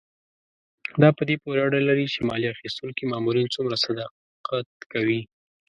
دا په دې پورې اړه لري چې مالیه اخیستونکي مامورین څومره صداقت کوي.